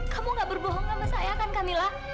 kamu enggak berbohong sama saya kan kak mila